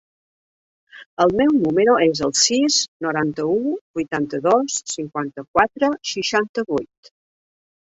El meu número es el sis, noranta-u, vuitanta-dos, cinquanta-quatre, seixanta-vuit.